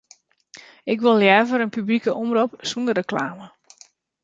Ik wol leaver in publike omrop sonder reklame.